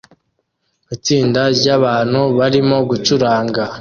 Itsinda ryabantu barimo gucuranga